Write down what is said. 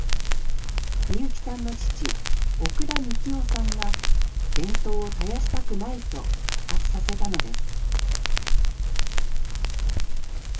美幸さんの父奥田三樹夫さんが伝統を絶やしたくないと復活させたのです